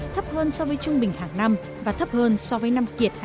thấp hơn so với trung bình hàng năm và thấp hơn so với năm kiệt hai nghìn một mươi